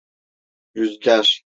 Rüzgâr…